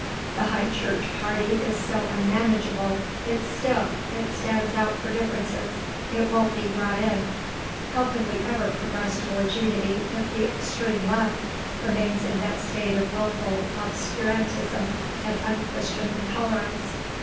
The High Church party is so unmanageable: it's stiff: it stands out for differences: it won't be brought in. How can we ever progress towards unity if the extreme left remains in that state of wilful obscurantism and unchristian intolerance?...